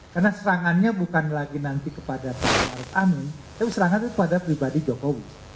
karena serangannya bukan lagi nanti kepada pak arief amin tapi serangan itu kepada pribadi jokowi